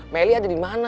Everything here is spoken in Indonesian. meli ada di mana